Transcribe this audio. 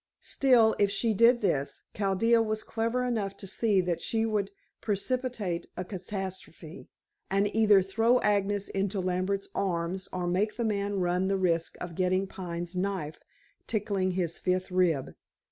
Still, if she did this, Chaldea was clever enough to see that she would precipitate a catastrophe, and either throw Agnes into Lambert's arms, or make the man run the risk of getting Pine's knife tickling his fifth rib.